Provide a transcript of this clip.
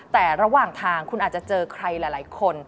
แต่ระหว่างทางคุณอาจจะเจอใครหลายคน